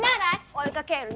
追いかける